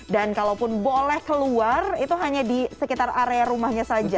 dan kalau pun boleh keluar itu hanya di sekitar area rumahnya saja